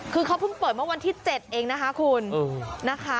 คือเขาเพิ่งเปิดวันที่๗เองนะคะคุณ